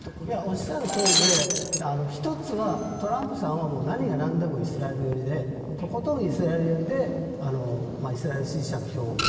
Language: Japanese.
おっしゃるとおりで１つはトランプさんは何がなんでもイスラエル寄りでとことんイスラエル寄りでイスラエル支持者の票を。